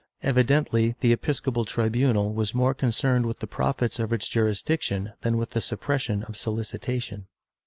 Evidently the epis copal tribunal was more concerned with the profits of its juris diction than with the suppression of solicitation.